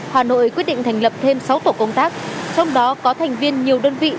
hà nội quyết định thành lập thêm sáu tổ công tác trong đó có thành viên nhiều đơn vị